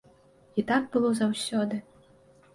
І так было заўсёды.